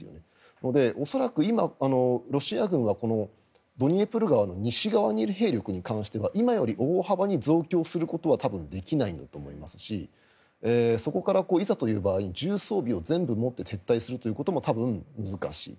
なので恐らく今、ロシア軍はドニエプル川の西側にいる兵力に関しては今より大幅に増強することはできないんだと思いますしそこからいざという場合重装備を全部持って撤退するということも多分難しい。